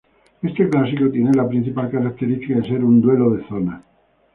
Este clásico tiene la principal característica de ser un duelo de zonas.